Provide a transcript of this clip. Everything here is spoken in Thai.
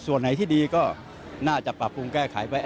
ส่วนไหนที่ดีก็น่าจะปรับปรุงแก้ไขไป